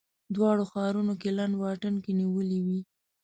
دواړو ښارونو کې لنډ واټن کې نیولې وې.